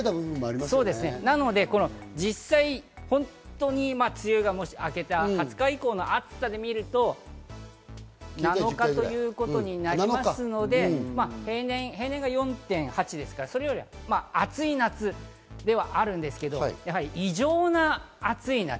なので、実際、本当に梅雨が明けた２０日以降の暑さで見ると、７日ということになりますので、平年が４．８ですから、それより暑い夏ではあるんですけれども、異常な暑い夏。